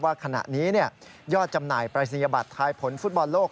ว่าขณะนี้ยอดจำหน่ายปรายศนียบัตรทายผลฟุตบอลโลก